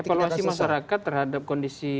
evaluasi masyarakat terhadap kondisi